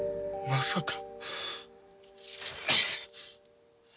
まさか。